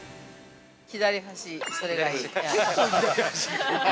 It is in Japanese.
◆左端、それがいい。